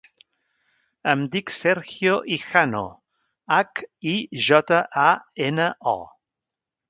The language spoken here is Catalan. Em dic Sergio Hijano: hac, i, jota, a, ena, o.